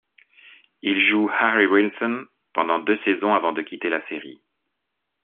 Il joue Harry Wilson pendant deux saisons avant de quitter la série.